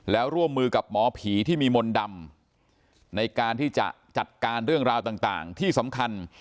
แล้วร่วมมือกับหมอผีที่มีมนต์ดำในการที่จะจัดการเรื่องราวต่างที่สำคัญ